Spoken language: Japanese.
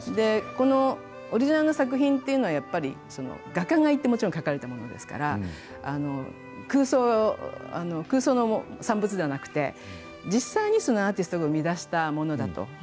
このオリジナルの作品っていうのはやっぱり画家がいてもちろん描かれたものですから空想の産物ではなくて実際にアーティストが生み出したものだと。